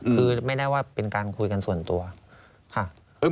คือไม่ได้ว่าเป็นการคุยกันส่วนตัวค่ะ